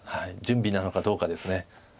準備なのかどうかです。